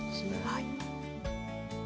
はい。